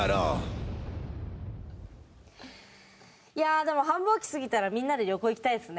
いやあでも繁忙期過ぎたらみんなで旅行行きたいですね。